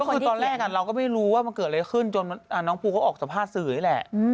ก็คือตอนแรกเราก็ไม่รู้ว่ามันเกิดอะไรขึ้นจนน้องปูเขาออกสัมภาษณ์สื่อนี่แหละ